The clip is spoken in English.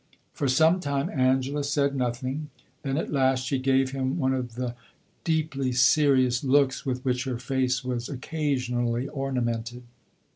For some time Angela said nothing, then at last she gave him one of the deeply serious looks with which her face was occasionally ornamented.